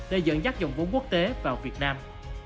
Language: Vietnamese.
để dẫn dắt dòng vốn quốc tế vào việt nam